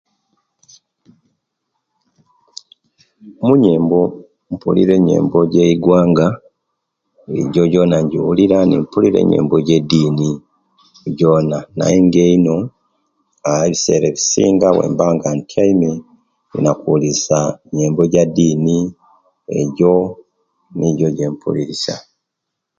Muyembo mpulira enyembo je'gwanga egyo gyona mpulira ne mpulira enyembo gye'ddini gyona naye nga eino aah ebiseera ebisinga owemba nga'ntyaime inina kubulisisya nyembo gya'dini egyo nigyo egye'mpulisisya